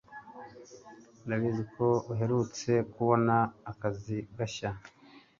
Ndabizi ko uherutse kubona akazi gashya